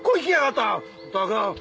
ったく。